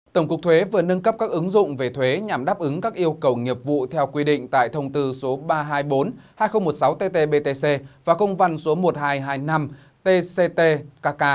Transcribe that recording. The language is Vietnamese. tổng cục thuế vừa nâng cấp các ứng dụng về thuế nhằm đáp ứng các yêu cầu nghiệp vụ theo quy định tại thông tư số ba trăm hai mươi bốn hai nghìn một mươi sáu tt btc và công văn số một nghìn hai trăm hai mươi năm tct kk